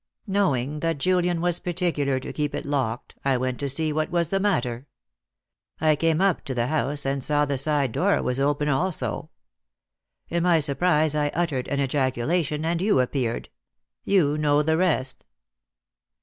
Knowing that Julian was particular to keep it locked, I went to see what was the matter. I came up to the house, and saw the side door was open also. In my surprise I uttered an ejaculation, and you appeared. You know the rest."